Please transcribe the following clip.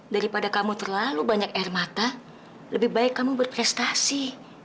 daripada kamu terlalu banyak air mata lebih baik kamu berprestasi